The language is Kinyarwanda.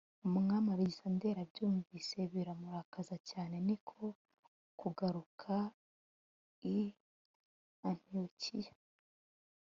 umwami alegisanderi abyumvise biramurakaza cyane, ni ko kugaruka i antiyokiya